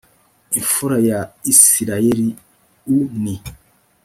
imfura ya isirayeli u ni